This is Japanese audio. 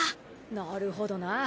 なるほどな。